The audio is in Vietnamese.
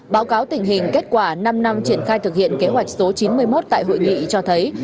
báo cáo tình hình kết quả năm năm triển khai thực hiện kế hoạch số chín mươi một tại hội nghị cho thấy